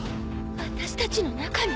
私たちの中に？